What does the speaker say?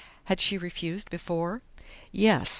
"Had she refused before?" "Yes.